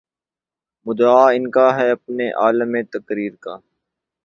مدعا عنقا ہے اپنے عالم تقریر کا